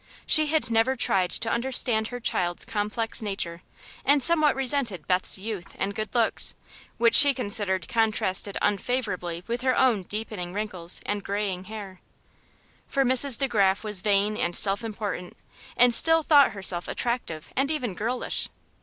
She had never tried to understand her child's complex nature, and somewhat resented Beth's youth and good looks, which she considered contrasted unfavorably with her own deepening wrinkles and graying hair. For Mrs. De Graf was vain and self important, and still thought herself attractive and even girlish.